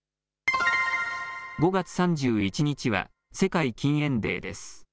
５月３１日は世界禁煙デーです。